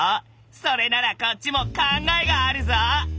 それならこっちも考えがあるぞぉ！